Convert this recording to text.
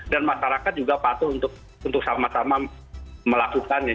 dan masyarakat juga patut untuk sama sama melakukannya